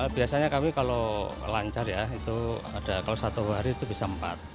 biasanya kami kalau lancar ya itu ada kalau satu hari itu bisa empat